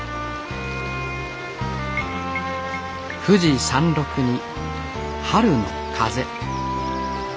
富士山麓に春の風。